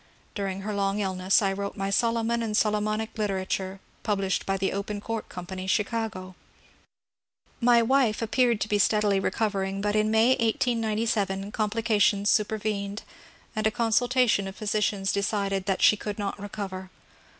During her long illness I wrote my ^* Solomon and Solomonic Literature," published by the Open Court Company, Chicago. My wife appeared to be steadily recovering, but in May, 1897, complications supervened, and a consultation of phy sicians decided that she could not recover.